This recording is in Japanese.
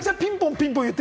ピンポンって。